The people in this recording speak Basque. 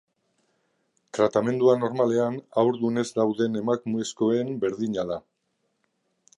Tratamendua normalean haurdun ez dauden emakumezkoen berdina da.